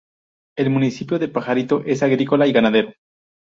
El municipio de Pajarito es agrícola y ganadero.